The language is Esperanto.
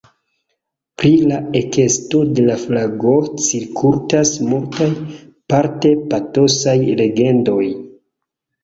Pri la ekesto de la flago cirkultas multaj, parte patosaj legendoj.